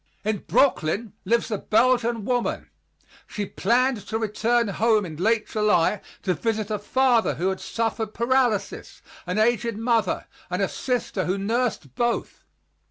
In Brooklyn lives a Belgian woman. She planned to return home in late July to visit a father who had suffered paralysis, an aged mother and a sister who nursed both.